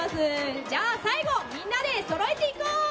最後、みんなでそろえていこう！